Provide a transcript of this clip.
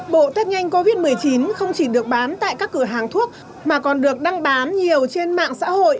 bộ test nhanh covid một mươi chín không chỉ được bán tại các cửa hàng thuốc mà còn được đăng bán nhiều trên mạng xã hội